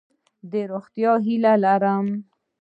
د روغتیا هیله لرم.